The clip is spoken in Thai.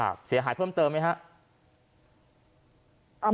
เสียหายเพิ่มเติมไหมครับ